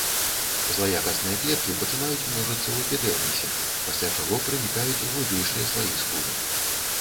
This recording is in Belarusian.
Злаякасныя клеткі пачынаюць множыцца ў эпідэрмісе, пасля чаго пранікаюць у глыбейшыя слаі скуры.